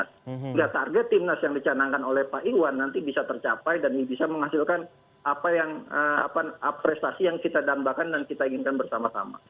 sehingga target timnas yang dicanangkan oleh pak iwan nanti bisa tercapai dan ini bisa menghasilkan apa yang prestasi yang kita dambakan dan kita inginkan bersama sama